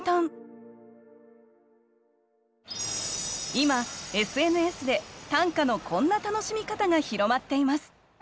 今ＳＮＳで短歌のこんな楽しみ方が広まっています。